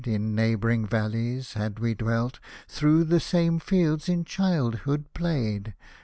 In neighbouring valleys had we dwelt. Through the same fields in childhood played.